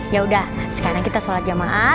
yaudah sekarang kita sholat jamaat